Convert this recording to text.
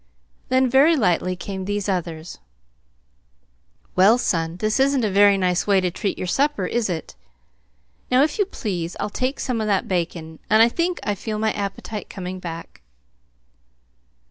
Then, very lightly, came these others: "Well, son, this isn't a very nice way to treat your supper, is it? Now, if you please, I'll take some of that bacon. I think I feel my appetite coming back."